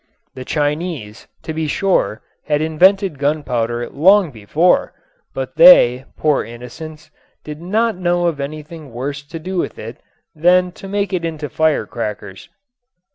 The Chinese, to be sure, had invented gunpowder long before, but they poor innocents did not know of anything worse to do with it than to make it into fire crackers.